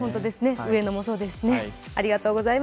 上野もそうですしね。